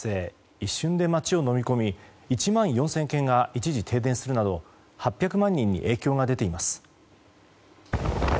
一瞬で町をのみ込み１万４０００軒が一時、停電するなど８００万人に影響が出ています。